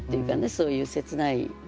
そういう切ない。